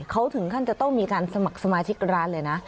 เขาถึงขั้นจะต้องมีการสมัครสมาชิกร้านเลยนะ